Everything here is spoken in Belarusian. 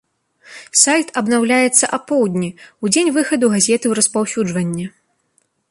Сайт абнаўляецца апоўдні, у дзень выхаду газеты ў распаўсюджванне.